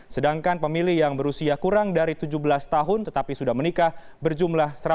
sedangkan pemilih yang berusia kurang dari tujuh belas tahun tetapi sudah menikah berjumlah satu ratus enam puluh